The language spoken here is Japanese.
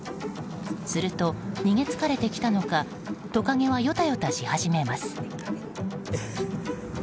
すると、逃げつかれてきたのかトカゲは、よたよたし始めます。